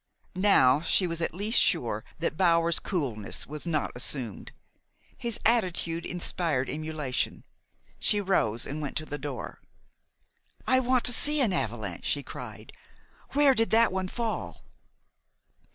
Now, she was at least sure that Bower's coolness was not assumed. His attitude inspired emulation. She rose and went to the door. "I want to see an avalanche," she cried. "Where did that one fall?"